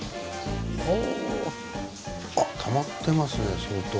はぁあったまってますね相当。